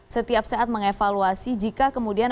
setiap saat mengevaluasi jika kemudian